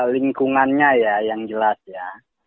lingkungannya ya yang jelas ya